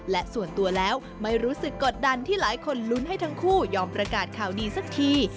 และส่วนตัวแล้วไม่รู้สึกกดดันที่หลายคนลุ้นให้ทั้งคู่ยอมประกาศข่าวดีสักที